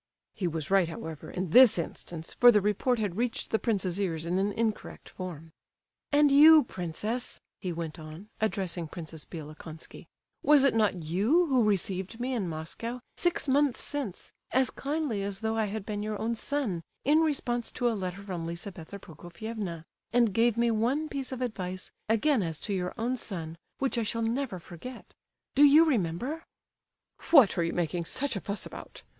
He was right, however, in this instance, for the report had reached the prince's ears in an incorrect form. "And you, princess," he went on, addressing Princess Bielokonski, "was it not you who received me in Moscow, six months since, as kindly as though I had been your own son, in response to a letter from Lizabetha Prokofievna; and gave me one piece of advice, again as to your own son, which I shall never forget? Do you remember?" "What are you making such a fuss about?"